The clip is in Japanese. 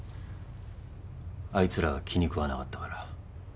あいつらが気に食わなかったから。